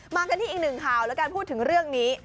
กันที่อีกหนึ่งข่าวแล้วกันพูดถึงเรื่องนี้